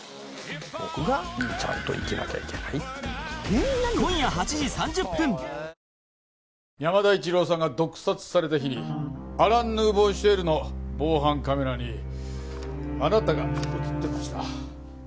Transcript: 乳酸菌が一時的な胃の負担をやわらげる山田一郎さんが毒殺された日にアラン・ヌーボー・シエルの防犯カメラにあなたが映ってました。